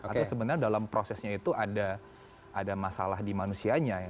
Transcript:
atau sebenarnya dalam prosesnya itu ada masalah di manusianya